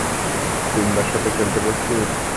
সিম্বার সাথে খেলতে প্রস্তুত?